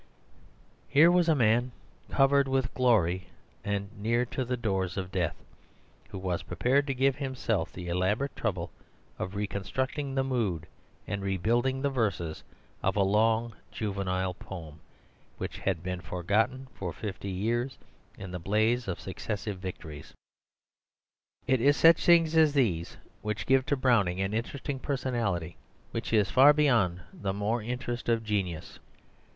Here was a man covered with glory and near to the doors of death, who was prepared to give himself the elaborate trouble of reconstructing the mood, and rebuilding the verses of a long juvenile poem which had been forgotten for fifty years in the blaze of successive victories. It is such things as these which give to Browning an interest of personality which is far beyond the more interest of genius.